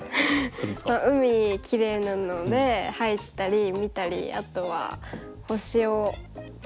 海きれいなので入ったり見たりあとは星を見たり。